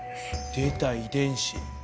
出た遺伝子。